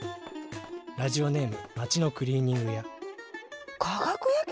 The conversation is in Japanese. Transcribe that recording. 「ラジオネーム町のクリーニング屋」